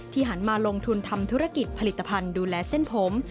หันมาลงทุนทำธุรกิจผลิตภัณฑ์ดูแลเส้นผม